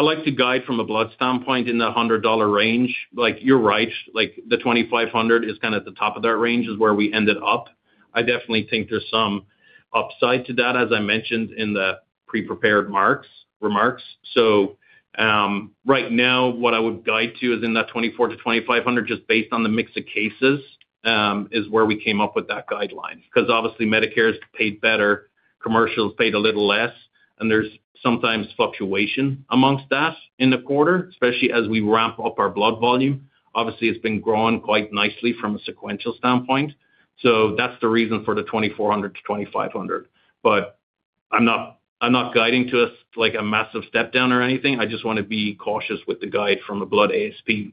like to guide from a blood standpoint in the $100 range. Like, you're right, like, the $2,500 is kinda the top of that range is where we ended up. I definitely think there's some upside to that, as I mentioned in the pre-prepared remarks. Right now, what I would guide to is in that $2,400-$2,500 just based on the mix of cases, is where we came up with that guideline. Cause obviously Medicare is paid better, commercial is paid a little less, and there's sometimes fluctuation amongst that in the quarter, especially as we ramp up our blood volume. Obviously, it's been growing quite nicely from a sequential standpoint, so that's the reason for the $2,400-$2,500. I'm not, I'm not guiding to, like, a massive step down or anything. I just wanna be cautious with the guide from a blood ASP.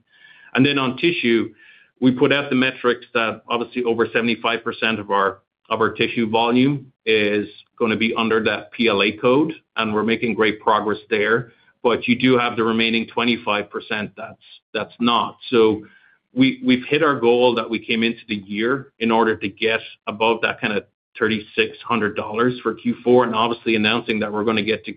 On tissue, we put out the metrics that obviously over 75% of our, of our tissue volume is gonna be under that PLA code, and we're making great progress there. You do have the remaining 25% that's not. We, we've hit our goal that we came into the year in order to get above that kinda $3,600 for Q4, and obviously announcing that we're gonna get to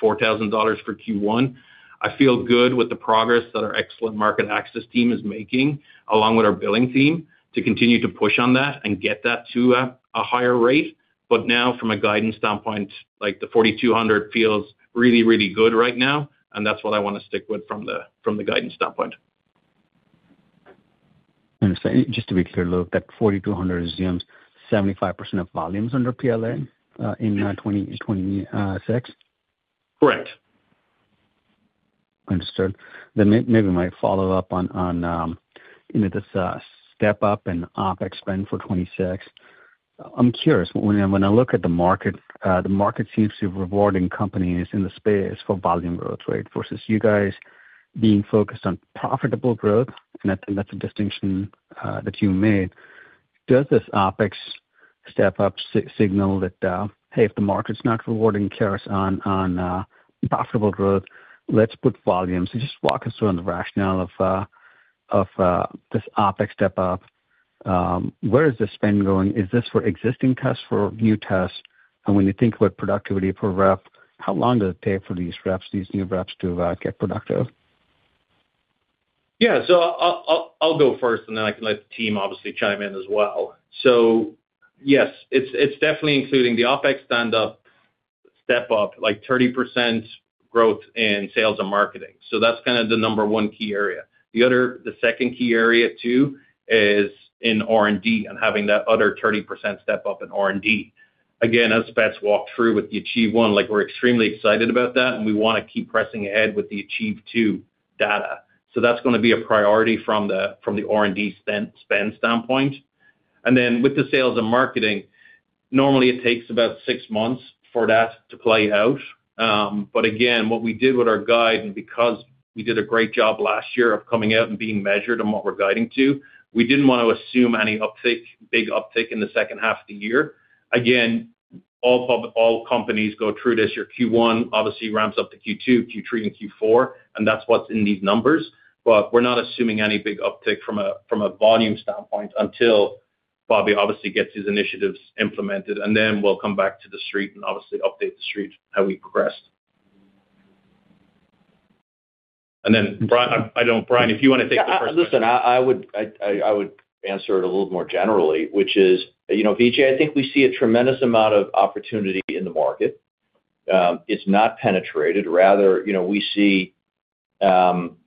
$4,000 for Q1. I feel good with the progress that our excellent market access team is making, along with our billing team, to continue to push on that and get that to a higher rate. Now from a guidance standpoint, like the 4,200 feels really, really good right now, and that's what I wanna stick with from the guidance standpoint. Understood. Just to be clear, Luke, that 4,200 assumes 75% of volumes under PLA, in 2026? Correct. Understood. Maybe my follow-up on this step up in OpEx spend for 2026. I'm curious, when I look at the market, the market seems to be rewarding companies in the space for volume growth, right? Versus you guys being focused on profitable growth, and I think that's a distinction that you made. Does this OpEx step up signal that, hey, if the market's not rewarding Caris on profitable growth, let's put volumes. Just walk us through on the rationale of this OpEx step up. Where is the spend going? Is this for existing tests, for new tests? And when you think about productivity per rep, how long does it take for these reps, these new reps to get productive? Yeah. I'll go first and then I can let the team obviously chime in as well. Yes, it's definitely including the OpEx stand up, step up, like 30% growth in sales and marketing. That's kinda the number 1 key area. The other, the second key area too is in R&D and having that other 30% step up in R&D. Again, as Pat's walked through with the ACHIEVE-1, like we're extremely excited about that, and we wanna keep pressing ahead with the ACHIEVE-2 data. That's gonna be a priority from the R&D spend standpoint. Then with the sales and marketing, normally it takes about 6 months for that to play out. Again, what we did with our guide, and because we did a great job last year of coming out and being measured on what we're guiding to, we didn't wanna assume any uptick, big uptick in the H2 of the year. Again, all companies go through this. Your Q1 obviously ramps up to Q2, Q3, and Q4, and that's what's in these numbers. We're not assuming any big uptick from a volume standpoint until Bobby obviously gets his initiatives implemented, and then we'll come back to the street and obviously update the street how we progress. Then Brian, I don't... Brian, if you wanna take the first- Yeah. Listen, I would answer it a little more generally, which is VJ, I think we see a tremendous amount of opportunity in the market. It's not penetrated. rather we see,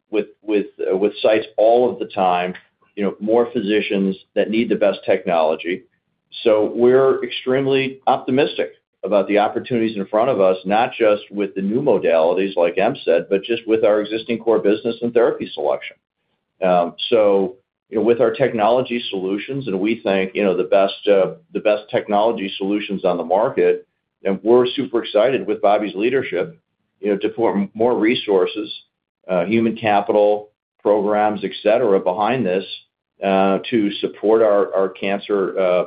with sites all of the time more physicians that need the best technology. We're extremely optimistic about the opportunities in front of us, not just with the new modalities like Em said, but just with our existing core business and therapy selection., with our technology solutions, and we think the best technology solution's on the market, and we're super excited with Bobby's leadership to put more resources, human capital, programs, et cetera, behind this, to support our cancer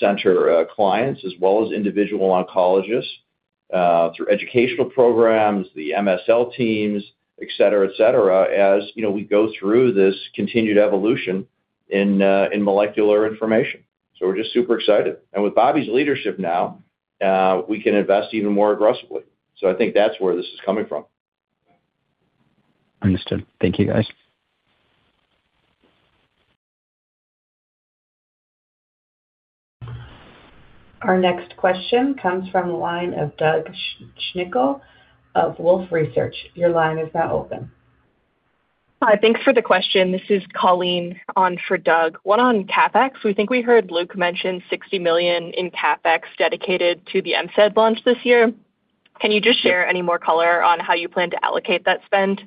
center clients as well as individual oncologists, through educational programs, the MSL teams, et cetera, et cetera, as we go through this continued evolution in molecular information. We're just super excited. With Bobby's leadership now, we can invest even more aggressively. I think that's where this is coming from. Understood. Thank you, guys. Our next question comes from the line of Doug Schenkel of Wolfe Research. Your line is now open. Hi. Thanks for the question. This is Colleen on for Doug. One on CapEx. We think we heard Luke mention $60 million in CapEx dedicated to the MCED launch this year. Can you just share any more color on how you plan to allocate that spend?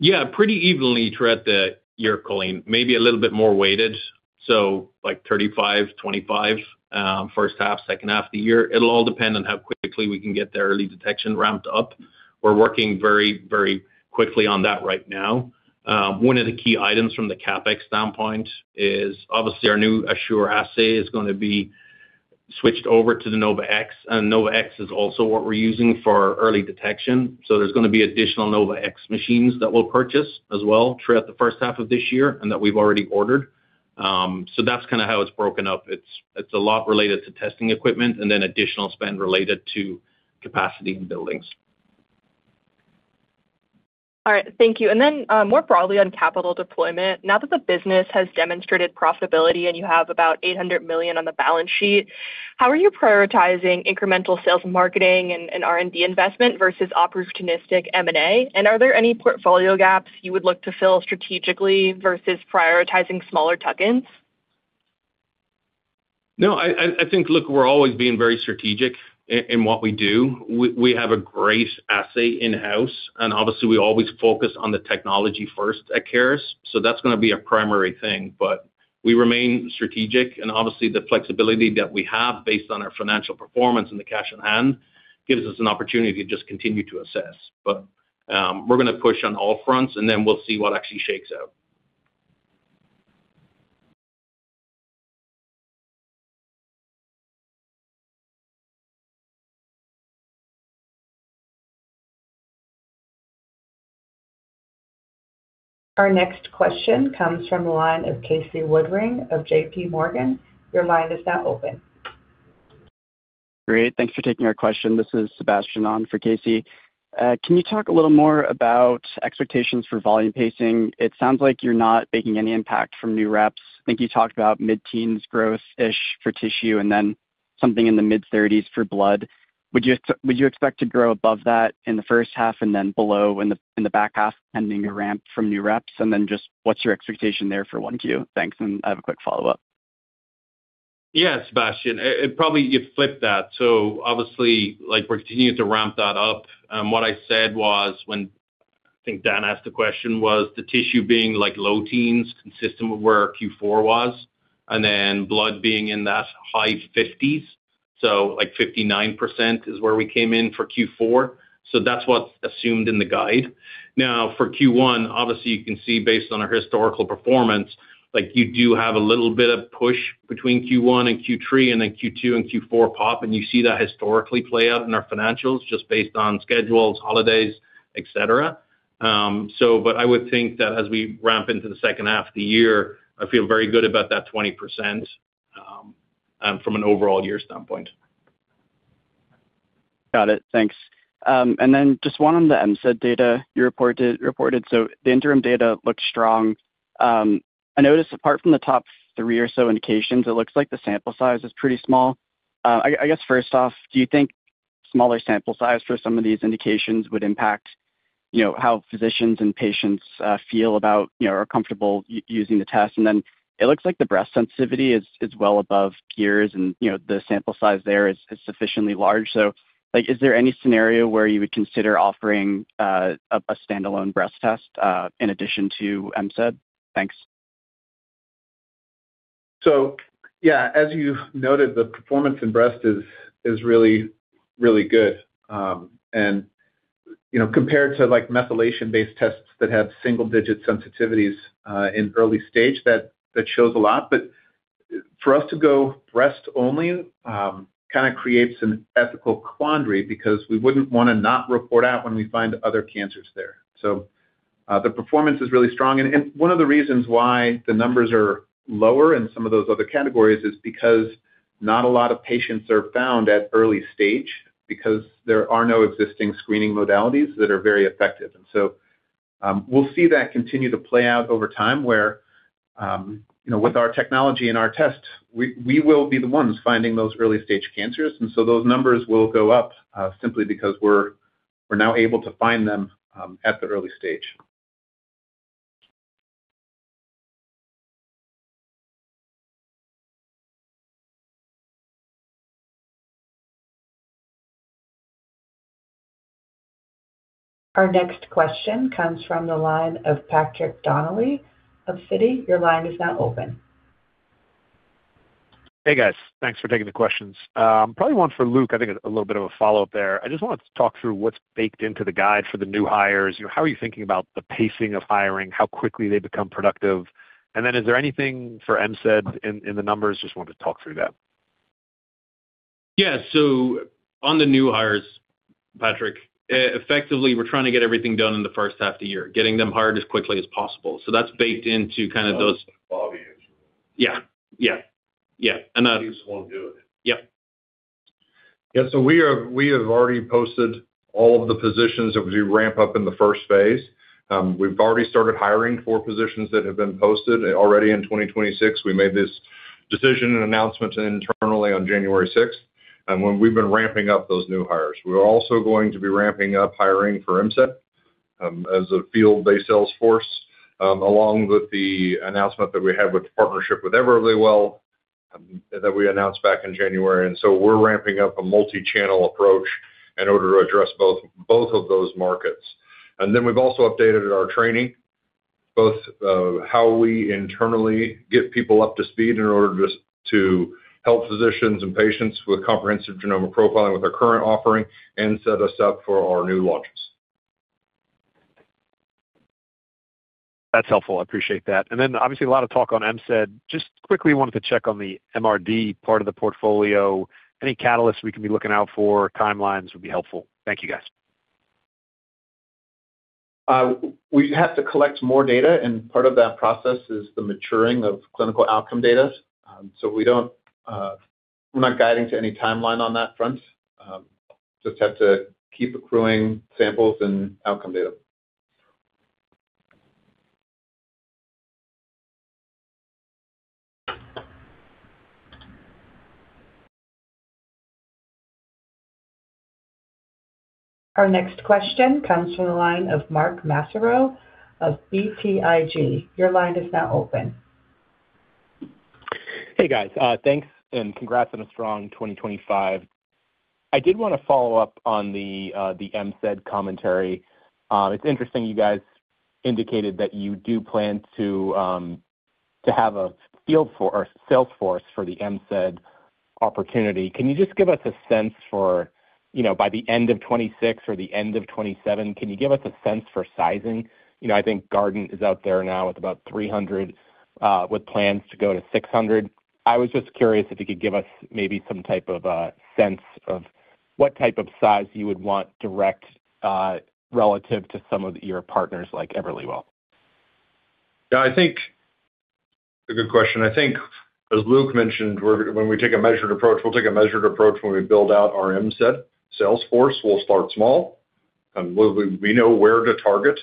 Yeah. Pretty evenly throughout the year, Colleen. Maybe a little bit more weighted, so like 35%, 25%, H1, H2 of the year. It'll all depend on how quickly we can get the early detection ramped up. We're working very, very quickly on that right now. One of the key items from the CapEx standpoint is obviously our new Assure assay is gonna be switched over to the NovaSeq X, and NovaSeq X is also what we're using for early detection. There's gonna be additional NovaSeq X machines that we'll purchase as well throughout the H1 of this year and that we've already ordered. That's kinda how it's broken up. It's, it's a lot related to testing equipment and then additional spend related to capacity and buildings. All right. Thank you. More broadly on capital deployment. Now that the business has demonstrated profitability and you have about $800 million on the balance sheet, how are you prioritizing incremental sales and marketing and R&D investment versus opportunistic M&A? Are there any portfolio gaps you would look to fill strategically versus prioritizing smaller tuck-ins? I think, look, we're always being very strategic in what we do. We have a great assay in-house, and obviously we always focus on the technology first at Caris, so that's gonna be a primary thing. We remain strategic, and obviously the flexibility that we have based on our financial performance and the cash on hand gives us an opportunity to just continue to assess. We're gonna push on all fronts, and then we'll see what actually shakes out. Our next question comes from the line of Casey Woodring of J.P. Morgan. Your line is now open. Great. Thanks for taking our question. This is Sebastian on for Casey. Can you talk a little more about expectations for volume pacing? It sounds like you're not making any impact from new reps. I think you talked about mid-teens growth-ish for tissue and then something in the mid-thirties for blood. Would you expect to grow above that in the H1 and then below in the back half, pending a ramp from new reps? Just what's your expectation there for one Q? Thanks. I have a quick follow-up. Yeah, Sebastian, probably you flip that. Obviously, like, we're continuing to ramp that up. What I said was when, I think Dan asked the question, was the tissue being like low teens consistent with where our Q4 was, and then blood being in that high 50s. Like 59% is where we came in for Q4. That's what's assumed in the guide. For Q1, obviously you can see based on our historical performance, like you do have a little bit of push between Q1 and Q3 and then Q2 and Q4 pop, and you see that historically play out in our financials just based on schedules, holidays, et cetera. But I would think that as we ramp into the H2 of the year, I feel very good about that 20%, from an overall year standpoint. Got it. Thanks. Then just one on the MSAT data you reported. The interim data looks strong. I noticed apart from the top 3 or so indications, it looks like the sample size is pretty small. I guess first off, do you think smaller sample size for some of these indications would impact how physicians and patients feel about are comfortable using the test? Then it looks like the breast sensitivity is well above peers and the sample size there is sufficiently large. Like, is there any scenario where you would consider offering a stand-alone breast test in addition to MSAT? Thanks. Yeah, as you noted, the performance in breast is really, really good. and compared to like methylation-based tests that have single-digit sensitivities in early stage, that shows a lot. For us to go breast only, kinda creates an ethical quandary because we wouldn't wanna not report out when we find other cancers there. The performance is really strong. One of the reasons why the numbers are lower in some of those other categories is because not a lot of patients are found at early stage because there are no existing screening modalities that are very effective. We'll see that continue to play out over time where with our technology and our tests, we will be the ones finding those early-stage cancers. Those numbers will go up, simply because we're now able to find them, at the early stage. Our next question comes from the line of Patrick Donnelly of Citi. Your line is now open. Hey, guys. Thanks for taking the questions. probably one for Luke, I think a little bit of a follow-up there. I just wanted to talk through what's baked into the guide for the new hires. How are you thinking about the pacing of hiring? How quickly they become productive? Then is there anything for MSAT in the numbers? Just wanted to talk through that. Yeah. On the new hires, Patrick, effectively, we're trying to get everything done in the H1 of the year, getting them hired as quickly as possible. That's baked into kind of those. Bobby, actually. Yeah. Yeah. Yeah. He's the one doing it. Yeah. Yeah. We have already posted all of the positions that we ramp up in the Phase I. We've already started hiring for positions that have been posted already in 2026. We made this decision and announcement internally on January 6th, when we've been ramping up those new hires. We're also going to be ramping up hiring for MSAT as a field-based sales force, along with the announcement that we had with the partnership with Everlywell that we announced back in January. We're ramping up a multi-channel approach in order to address both of those markets. We've also updated our training, both how we internally get people up to speed in order to help physicians and patients with comprehensive genomic profiling with our current offering and set us up for our new launches. That's helpful. I appreciate that. Obviously a lot of talk on MSAT. Just quickly wanted to check on the MRD part of the portfolio. Any catalysts we can be looking out for, timelines would be helpful. Thank you, guys. We have to collect more data, and part of that process is the maturing of clinical outcome data. We don't, we're not guiding to any timeline on that front. Just have to keep accruing samples and outcome data. Our next question comes from the line of Mark Massaro of BTIG. Your line is now open. Hey, guys. thanks, and congrats on a strong 2025. I did wanna follow up on the MSAT commentary. It's interesting you guys indicated that you do plan to have a sales force for the MSAT opportunity. Can you just give us a sense for by the end of 2026 or the end of 2027, can you give us a sense for sizing?, I think Guardant is out there now with about 300, with plans to go to 600. I was just curious if you could give us maybe some type of a sense of what type of size you would want direct, relative to some of your partners like Everlywell? I think. A good question. I think, as Luke mentioned, when we take a measured approach, we'll take a measured approach when we build out our MSAT sales force. We'll start small, and we know where to target.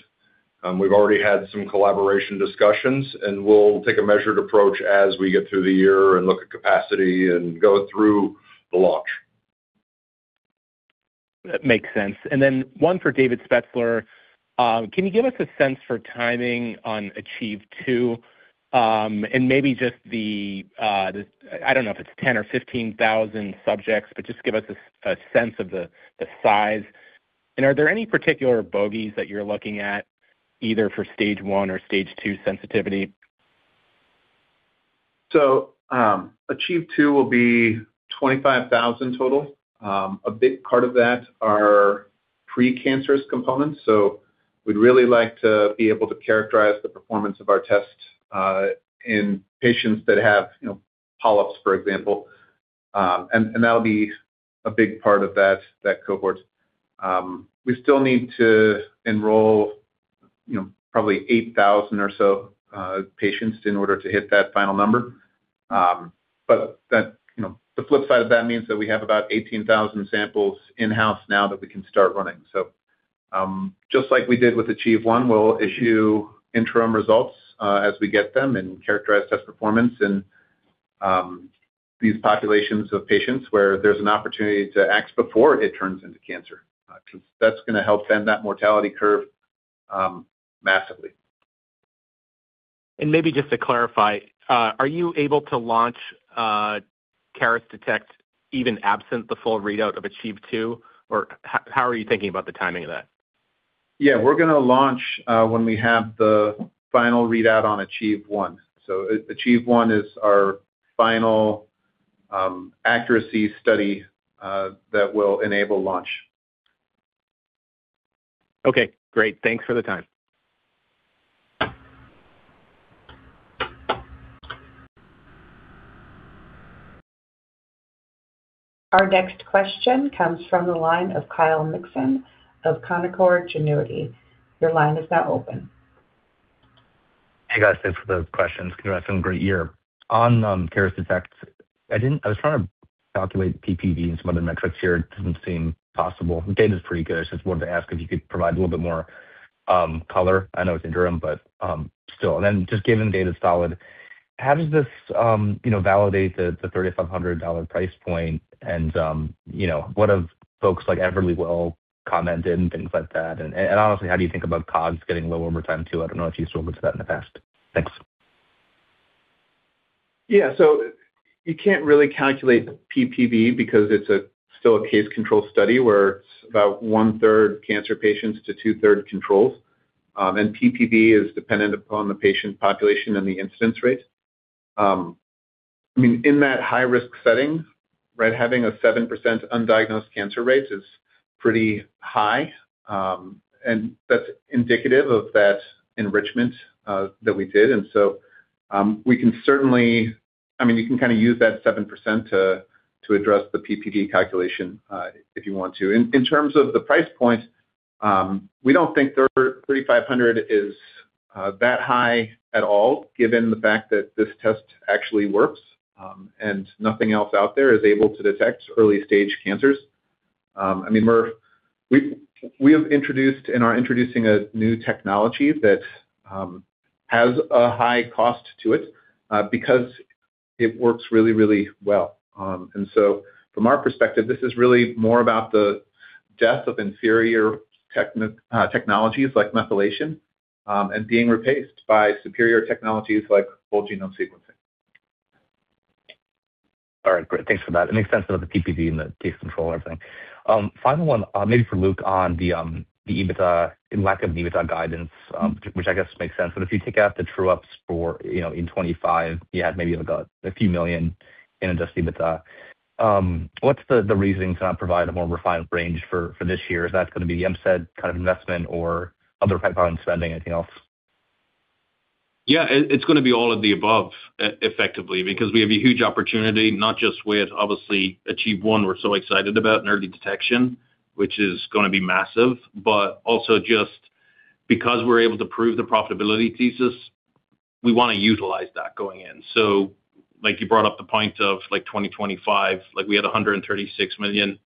We've already had some collaboration discussions, and we'll take a measured approach as we get through the year and look at capacity and go through the launch. That makes sense. Then one for David Spetzler. Can you give us a sense for timing on ACHIEVE-2? And maybe just the, I don't know if it's 10 or 15,000 subjects, but just give us a sense of the size. Are there any particular bogeys that you're looking at either for stage one or stage two sensitivity? ACHIEVE-2 will be 25,000 total. A big part of that are precancerous components. We'd really like to be able to characterize the performance of our test in patients that have polyps, for example. That'll be a big part of that cohort. We still need to enroll probably 8,000 or so patients in order to hit that final number. that the flip side of that means that we have about 18,000 samples in-house now that we can start running. Just like we did with ACHIEVE-1, we'll issue interim results as we get them and characterize test performance in these populations of patients where there's an opportunity to act before it turns into cancer. 'cause that's gonna help bend that mortality curve, massively. Maybe just to clarify, are you able to launch Caris Detect even absent the full readout of ACHIEVE-2? Or how are you thinking about the timing of that? Yeah. We're gonna launch, when we have the final readout on ACHIEVE-1. ACHIEVE-1 is our final accuracy study, that will enable launch. Okay, great. Thanks for the time. Our next question comes from the line of Kyle Mikson of Canaccord Genuity. Your line is now open. Hey, guys. Thanks for the questions. Congrats on a great year. On Caris Detect, I was trying to calculate PPV and some other metrics here. It doesn't seem possible. The data's pretty good. I just wanted to ask if you could provide a little bit more color. I know it's interim, but still. Given the data's solid, how does this validate the $3,500 price point and what have folks like Everlywell commented and things like that. Honestly, how do you think about COGS getting lower over time too? I don't know if you've spoken to that in the past. Thanks. Yeah. You can't really calculate PPV because it's still a case control study where it's about one-third cancer patients to two-third controls. PPV is dependent upon the patient population and the incidence rate. I mean, in that high-risk setting, right, having a 7% undiagnosed cancer rate is pretty high, and that's indicative of that enrichment that we did. We can certainly. I mean, you can kinda use that 7% to address the PPV calculation if you want to. In terms of the price point, we don't think $3,500 is that high at all given the fact that this test actually works, and nothing else out there is able to detect early stage cancers. I mean, we have introduced and are introducing a new technology that has a high cost to it, because it works really, really well. From our perspective, this is really more about the death of inferior technologies like methylation, and being replaced by superior technologies like whole genome sequencing. All right, great. Thanks for that. It makes sense about the PPV and the case control and everything. Final one, maybe for Luke on the EBITDA, and lack of an EBITDA guidance, which I guess makes sense. If you take out the true ups for in 25, you had maybe like a few million in adjusted EBITDA. What's the reasoning to not provide a more refined range for this year? Is that gonna be the MSAT kind of investment or other pipeline spending, anything else? Yeah. It's gonna be all of the above effectively because we have a huge opportunity, not just with obviously ACHIEVE-1 we're so excited about in early detection, which is gonna be massive, but also just because we're able to prove the profitability thesis, we wanna utilize that going in. Like you brought up the point of 2025, we had $136 million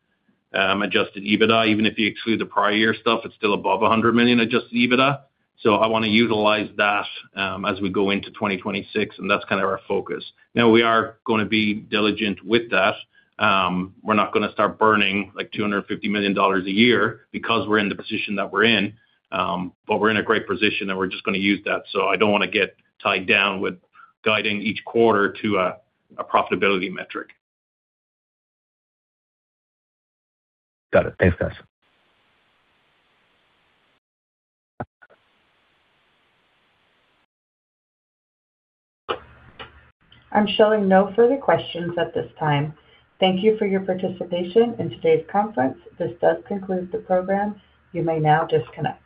adjusted EBITDA. Even if you exclude the prior year stuff, it's still above $100 million adjusted EBITDA. I wanna utilize that as we go into 2026, and that's kind of our focus. Now we are gonna be diligent with that. We're not gonna start burning, like, $250 million a year because we're in the position that we're in. We're in a great position, and we're just gonna use that, so I don't wanna get tied down with guiding each quarter to a profitability metric. Got it. Thanks, guys. I'm showing no further questions at this time. Thank you for your participation in today's conference. This does conclude the program. You may now disconnect.